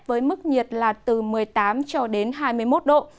với mức nhiệt là từ một mươi tám cho đến hai mươi một độ